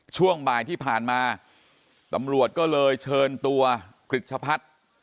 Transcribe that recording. ช่วงบ่ายที่ผ่านมาตำรวจก็เลยเชิญตัวกริจชะพัฒน์